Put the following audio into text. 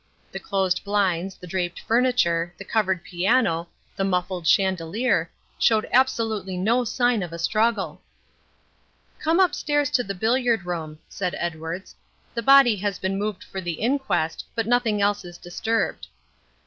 The closed blinds, the draped furniture, the covered piano, the muffled chandelier, showed absolutely no sign of a struggle. "Come upstairs to the billiard room," said Edwards. "The body has been removed for the inquest, but nothing else is disturbed."